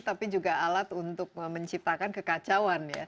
tapi juga alat untuk menciptakan kekacauan ya